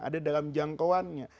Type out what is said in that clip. ada dalam jangkauannya